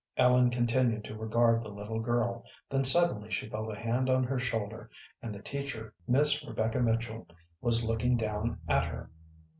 Ellen continued to regard the little girl, then suddenly she felt a hand on her shoulder, and the teacher, Miss Rebecca Mitchell, was looking down at her.